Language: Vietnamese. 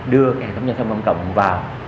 đưa hệ thống giao thông công cộng vào